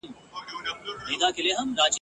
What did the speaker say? دا دي کوم جهان لیدلی دی په خوب کي !.